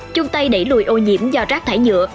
chúng ta đẩy lùi ô nhiễm do rác thải nhựa